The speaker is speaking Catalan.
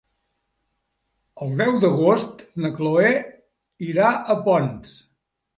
El deu d'agost na Cloè irà a Ponts.